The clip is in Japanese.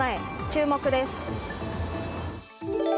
注目です。